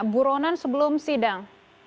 buronan sebelum sidang